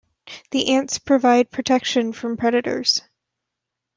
The ants provide protection from predators.